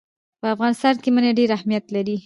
په افغانستان کې منی ډېر اهمیت لري.